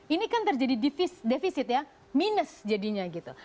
ini kan terjadi defisit ya minus jadinya gitu